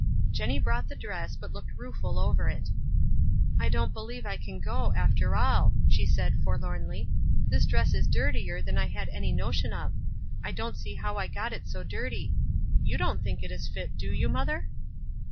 Jenny brought the dress, but looked rueful over it. "I don't believe I can go, after all," she said, forlornly. " This dress is dirtier than I had any notion of. I don't see how I got it so dirty. You don't think it is fit, do } T ou, mother?"